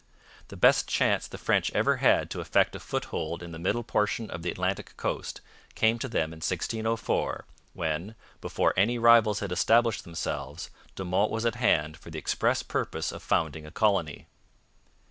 The best chance the French ever had to effect a foothold in the middle portion of the Atlantic coast came to them in 1604, when, before any rivals had established themselves, De Monts was at hand for the express purpose of founding a colony.